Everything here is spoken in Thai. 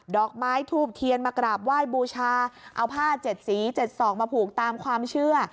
อกไม้ทูบเทียนมากราบไหว้บูชาเอาผ้า๗สี๗ศอกมาผูกตามความเชื่อ